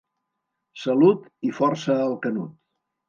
Salut i força al canut.